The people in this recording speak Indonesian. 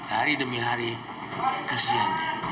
hari demi hari kesian dia